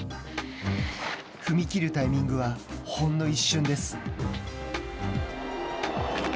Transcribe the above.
踏み切るタイミングはほんの一瞬です。